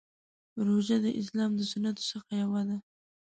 روژه د اسلام د ستنو څخه یوه ده.